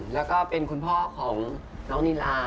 แล้วก็เป็นคุณพ่อของน้องนิลา